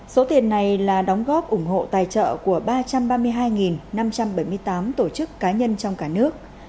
số tiền này là đóng góp ủng hộ tài trợ của ba trăm ba mươi hai năm trăm bảy mươi tám tổ chức cá nhân trong cả nước